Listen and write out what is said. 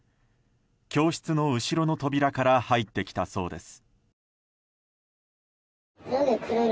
教室の後ろの扉から入ってきたそうです。